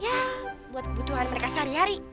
ya buat kebutuhan mereka sehari hari